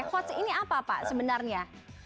hots ini apa pak sebenarnya